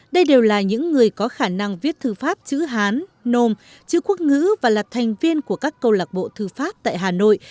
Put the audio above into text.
đây đều là những người có khả năng viết thư pháp chữ hán nôm chữ quốc ngữ và là thành viên của các câu lạc bộ thư pháp tại hà nội